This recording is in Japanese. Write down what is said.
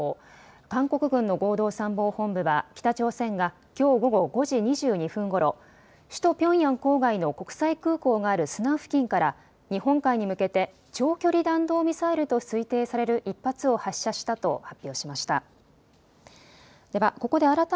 韓国軍の合同参謀本部は北朝鮮がきょう午後５時２２分ごろ、首都ピョンヤン郊外の国際空港があるスナン付近から日本海に向けて長距離弾道ミサイルと推定される１発を発射したと発表しました。